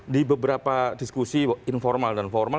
di beberapa diskusi informal dan formal